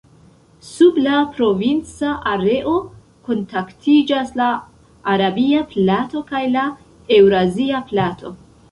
Sub la provinca areo kontaktiĝas la arabia plato kaj la eŭrazia plato.